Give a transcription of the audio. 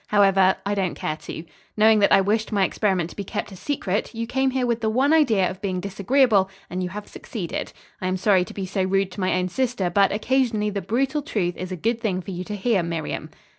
However, I don't care to. Knowing that I wished my experiment to be kept a secret, you came here with the one idea of being disagreeable, and you have succeeded. I am sorry to be so rude to my own sister, but occasionally the brutal truth is a good thing for you to hear, Miriam."